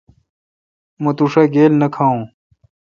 مہ تو ݭا گیل نہ کھاوین۔